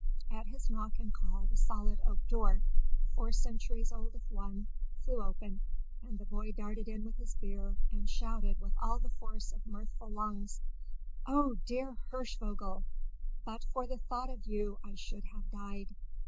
At his knock and call the solid oak door, four centuries old if one, flew open, and the boy darted in with his beer, and shouted, with all the force of mirthful lungs, "Oh, dear Hirschvogel, but for the thought of you I should have died!"